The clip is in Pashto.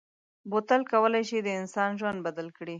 بوتل کولای شي د انسان ژوند بدل کړي.